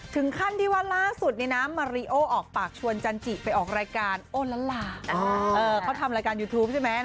ถึงขั้นที่ว่าล่าสุดมาริโอออกปากชวนจันจิไปออกรายการโอละลาเขาทำรายการยูทูปใช่ไหม